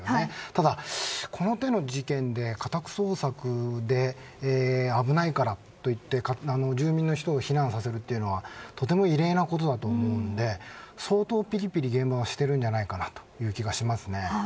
ただ、この手の事件で家宅捜索で危ないからといって住民の人を避難させるというのはとても異例なことだと思うので相当現場はぴりぴりしているんじゃないかなという気がします。